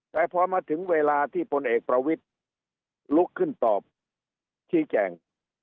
แต่พอมาถึงเวลาที่พลเอกประวิทธิ์ลุกขึ้นตอบชี้แจง